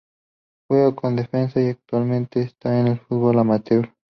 Juega como defensa y actualmente está en el fútbol amateur.